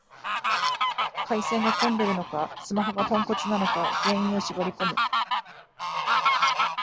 回線が混んでるのか、スマホがポンコツなのか原因を絞りこむ